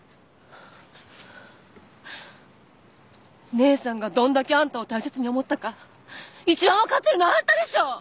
姉さんがどんだけあんたを大切に思ったか一番分かってるのはあんたでしょう！